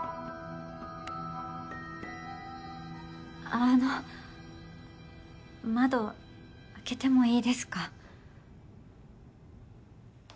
あの窓開けてもいいですか？